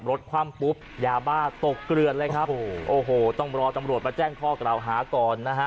คว่ำปุ๊บยาบ้าตกเกลือนเลยครับโอ้โหโอ้โหต้องรอตำรวจมาแจ้งข้อกล่าวหาก่อนนะฮะ